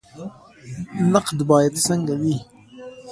نقد باید څنګه وي؟